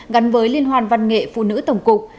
gắn với liên hoan văn nghệ phụ nữ tổng cục